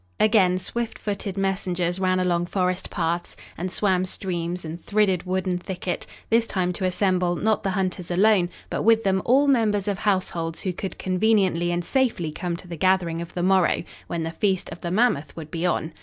Again swift footed messengers ran along forest paths and swam streams and thridded wood and thicket, this time to assemble, not the hunters alone, but with them all members of households who could conveniently and safely come to the gathering of the morrow, when the feast of the mammoth would be on.